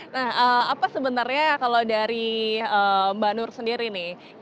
nah apa sebenarnya kalau dari mbak nur sendiri nih